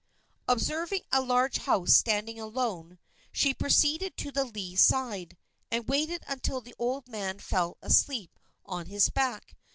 Observing a large house standing alone, she proceeded to the lee side, and waited until the old man fell asleep on his back.